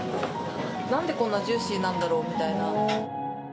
なんでこんなジューシーなんだろうみたいな。